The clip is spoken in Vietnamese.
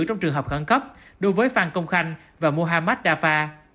trong trường hợp khẳng cấp đối với phan công khanh và muhammad dafar